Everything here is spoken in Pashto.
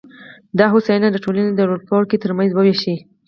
دا هوساینه د ټولنې د لوړپاړکي ترمنځ ووېشي.